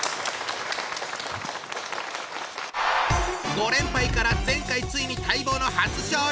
５連敗から前回ついに待望の初勝利！